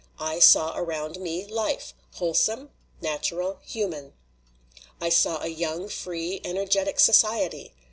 I saw around me life whole some, natural, human. ''I saw a young, free, energetic society.